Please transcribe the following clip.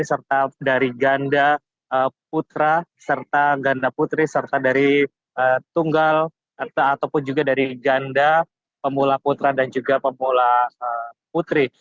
serta dari ganda putra serta ganda putri serta dari tunggal ataupun juga dari ganda pemula putra dan juga pemula putri